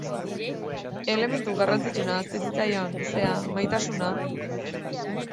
Elementu garrantzitsuena ahazten zitzaion, zera, maitasuna.